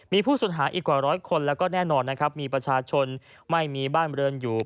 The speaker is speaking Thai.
มีผู้สุนหาอีกกว่าร้อยคนแล้วก็แน่นอนมีประชาชนไม่มีบ้านเบิร์นอยู่